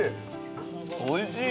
おいしい！